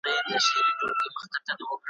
ما وې دا دنیا نابوده